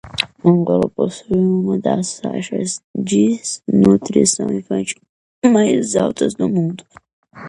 Angola possui uma das taxas de desnutrição infantil mais altas do mundo.